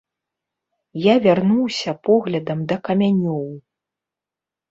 Я вярнуўся поглядам да камянёў.